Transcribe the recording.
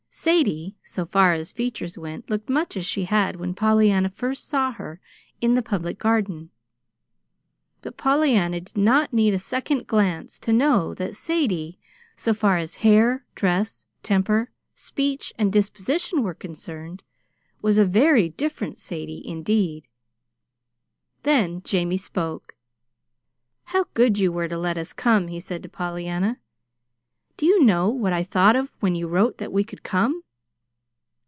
Sadie, so far as features went, looked much as she had when Pollyanna first saw her in the Public Garden; but Pollyanna did not need a second glance to know that Sadie, so far as hair, dress, temper, speech, and disposition were concerned, was a very different Sadie indeed. Then Jamie spoke. "How good you were to let us come," he said to Pollyanna. "Do you know what I thought of when you wrote that we could come?"